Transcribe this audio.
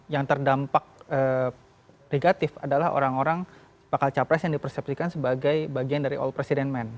yang terdampak negatif adalah orang orang bakal capres yang dipersepsikan sebagai bagian dari all president man